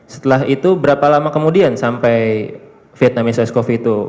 setelah itu berapa lama kemudian sampai vietnamese ice coffee itu